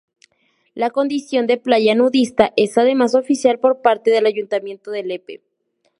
La condición de playa nudista es además oficial por parte del Ayuntamiento de Lepe.